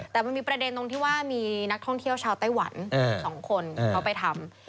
แต่มันมีประเด็นตรงที่ว่ามีนักท่องเที่ยวชาวไต้หวัน๒คนเขาไปทำ